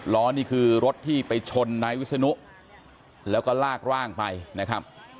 ล้อนี่คือรถที่ไปชนนายวิศนุแล้วก็ลากร่างไปนะครับ